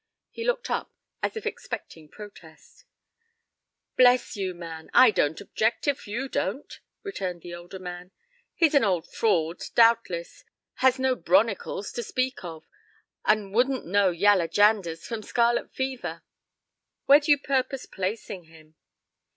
He looked up, as if expecting protest. "Bless you, man, I don't object if you don't," returned the older man. "He's an old fraud, doubtless, has no 'bronicles' to speak of, and wouldn't know 'yaller janders' from scarlet fever. Where do you purpose placing him?"